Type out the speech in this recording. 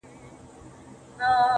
خوب كي گلونو ســـره شپـــــې تېــروم.